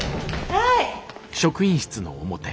はい。